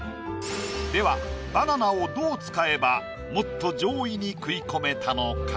ではバナナをどう使えばもっと上位に食い込めたのか？